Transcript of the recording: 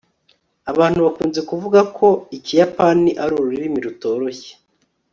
Abantu bakunze kuvuga ko Ikiyapani ari ururimi rutoroshye